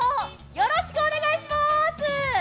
よろしくお願いします！